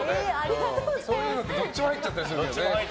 そういうのってどっちも入っちゃったりするからね。